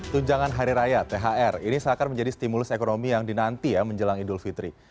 tunjangan hari raya thr ini seakan menjadi stimulus ekonomi yang dinanti ya menjelang idul fitri